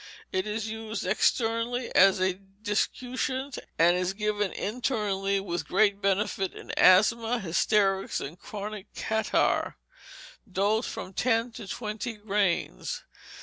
It is used externally as a discutient, and is given internally, with great benefit in asthma, hysteria, and chronic catarrh. Dose, from ten to twenty grains.